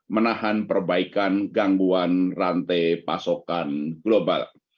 menahan perbaikan gangguan rantai pasokan global